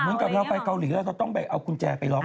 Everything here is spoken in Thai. เหมือนกับเราไปเกาหลีเราจะต้องไปเอากุญแจไปล็อก